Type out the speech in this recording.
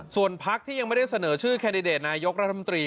ส่วนพักที่ยังไม่ได้เสนอชื่อแคนดิเดตนายกรัฐมนตรี